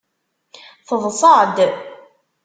Teḍṣa-d.